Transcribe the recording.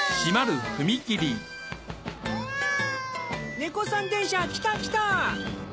猫さん電車来た来た！